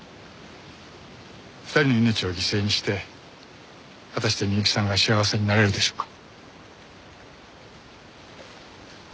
２人の命を犠牲にして果たして美雪さんが幸せになれるでしょうか？